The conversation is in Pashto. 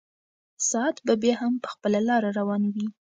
ساعت به بیا هم په خپله لاره روان وي.